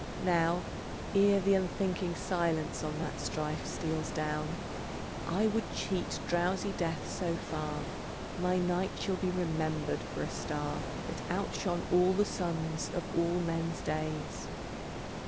Now, ere the unthinking silence on that strife Steals down, I would cheat drowsy Death so far, My night shall be remembered for a star That outshone all the suns of all men's days.